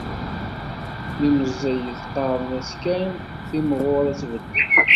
Mi meẓẓiyet, qqaren-as kan ad timɣur ad tbeddel.